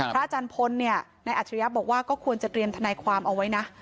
อาจารย์พลเนี่ยนายอัจฉริยะบอกว่าก็ควรจะเตรียมทนายความเอาไว้นะ